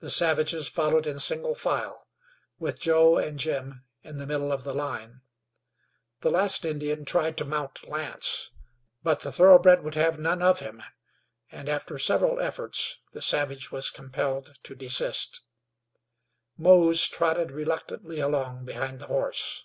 The savages followed in single file, with Joe and Jim in the middle of the line. The last Indian tried to mount Lance; but the thoroughbred would have none of him, and after several efforts the savage was compelled to desist. Mose trotted reluctantly along behind the horse.